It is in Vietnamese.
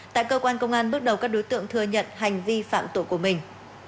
tại cơ quan công an bước đầu các đối tượng thừa nhận hành vi phạm tội của mình